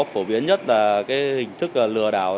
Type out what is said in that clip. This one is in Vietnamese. phổ biến nhất là hình thức lừa đảo